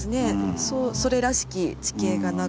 それらしき地形がなく。